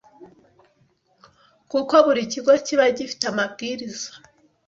kuko buri kigo kiba gifite amabwiriza